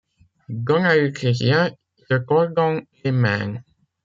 Dona lucrezia, se tordant les mains.